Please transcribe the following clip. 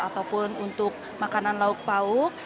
ataupun untuk makanan lauk pauk